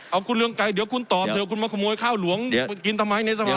เอาคุณเรืองไกรเดี๋ยวคุณตอบเถอะคุณมาขโมยข้าวหลวงไปกินทำไมในสมัย